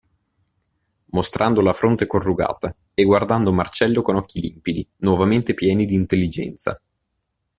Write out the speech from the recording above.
Mostrando la fronte corrugata, e guardando Marcello con occhi limpidi, nuovamente pieni d'intelligenza.